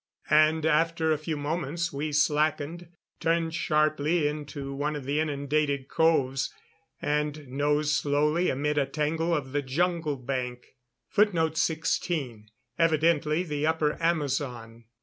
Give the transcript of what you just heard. And after a few moments we slackened, turned sharply into one of the inundated coves and nosed slowly amid a tangle of the jungle bank. [Footnote 16: Evidently the upper Amazon.